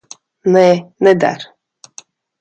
Nē, neder.